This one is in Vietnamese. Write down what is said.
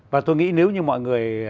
và tôi nghĩ nếu như mọi người